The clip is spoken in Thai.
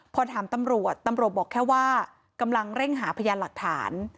พอถามตำรวจตำรวจบอกแค่ว่ากำลังเร่งหาพยานหลักฐาน